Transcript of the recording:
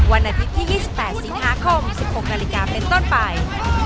วันอาทิตย์ที่๒๘สิงหาคม๑๖นาฬิกาเป็นต้นไป